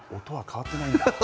音は変わってないんだ。